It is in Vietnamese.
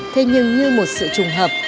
thế nhưng như một sự trùng hợp